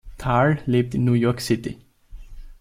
Thal lebt in New York City.